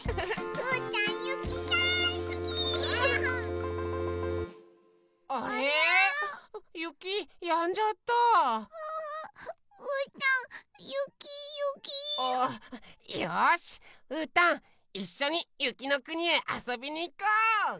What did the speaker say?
うーたんいっしょにゆきのくにへあそびにいこう！